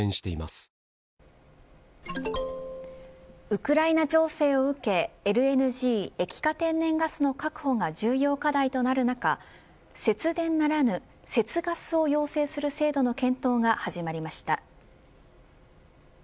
ウクライナ情勢を受けＬＮＧ液化天然ガスの確保が重要課題となる中節電ならぬ節ガスを要請する制度の検討が始まりました。